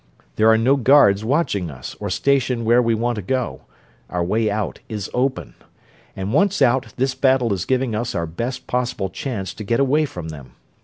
There are no guards watching us, or stationed where we want to go our way out is open. And once out, this battle is giving us our best possible chance to get away from them.